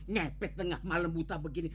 ngepit tengah malam buta begini